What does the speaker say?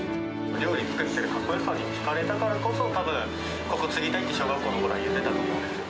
料理作ってる格好よさにひかれたからこそ、たぶんここ継ぎたいって小学校のころ言ってた。